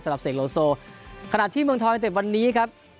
สำหรับเศรษฐโลโซขณะที่เมืองทองจนถึงวันนี้ครับ